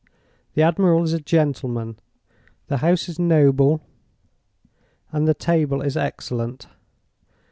"The admiral is a gentleman, the house is noble, the table is excellent.